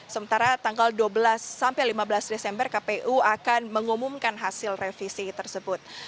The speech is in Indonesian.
sementara tanggal dua belas sampai lima belas desember kpu akan mengumumkan hasil revisi tersebut